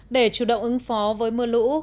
để chủ động ứng phó với mưa lũ